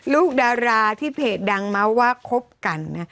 ลูกดาราที่เพจดังมาว่าครบกัน